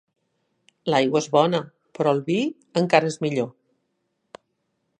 L'aigua és bona, però el vi encara és millor.